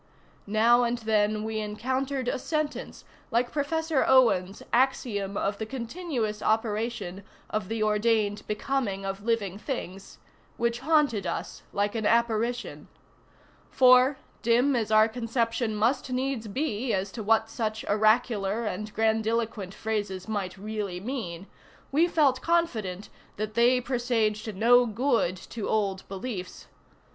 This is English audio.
Now and then we encountered a sentence, like Professor Owen's "axiom of the continuous operation of the ordained becoming of living things," which haunted us like an apparition. For, dim as our conception must needs be as to what such oracular and grandiloquent phrases might really mean, we felt confident that they presaged no good to old beliefs.